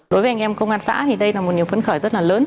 đối với anh em công an xã thì đây là một niềm phấn khởi rất là lớn